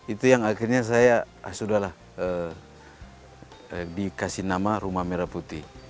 itu yang akhirnya saya sudah lah dikasih nama rumah merah putih